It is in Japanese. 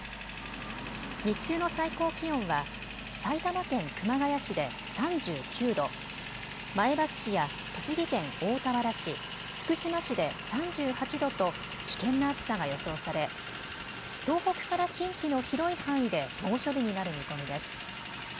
日中の最高気温は埼玉県熊谷市で３９度、前橋市や栃木県大田原市、福島市で３８度と危険な暑さが予想され、東北から近畿の広い範囲で猛暑日になる見込みです。